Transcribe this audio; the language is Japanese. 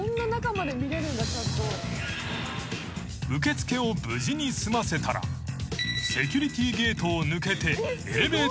［受け付けを無事に済ませたらセキュリティーゲートを抜けてエレベーターホールへ］